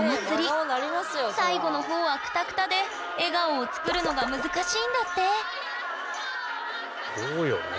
最後の方はクタクタで笑顔を作るのが難しいんだってそうよね。